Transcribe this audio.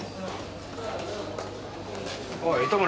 おい糸村。